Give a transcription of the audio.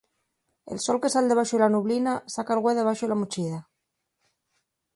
El sol que sal debaxo la nublina, saca'l güe debaxo la muḷḷida